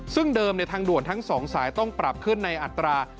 ซึ่งเดิมทางด่วนทั้ง๒สายต้องปรับขึ้นในอัตรา